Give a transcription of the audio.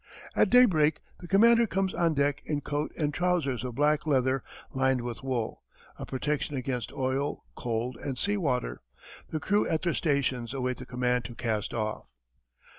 At daybreak the commander comes on deck in coat and trousers of black leather lined with wool, a protection against oil, cold, and sea water. The crew at their stations await the command to cast off.